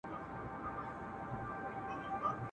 چي په لار کي ترابان نه یې وژلی ..